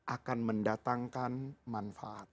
akan mendatangkan manfaat